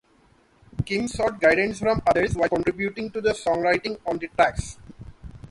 Kim sought guidance from others while contributing to the songwriting on the tracks.